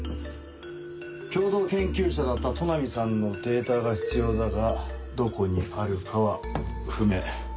共同研究者だった都波さんのデータが必要だがどこにあるかは不明。